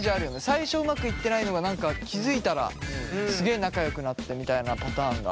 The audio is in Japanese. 最初うまくいってないのが気付いたらすげえ仲良くなってたみたいなパターンが。